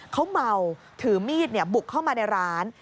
เขาเมาถือมีดบุกเข้ามาในร้าน